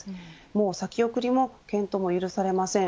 もう先送りも検討も許されません。